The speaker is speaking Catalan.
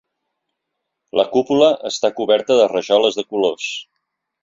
La cúpula està coberta de rajoles de colors.